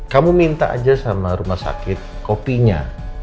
kamu minta aja sama rumah sakit kopinya